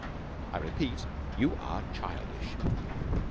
I repeat, you are childish!"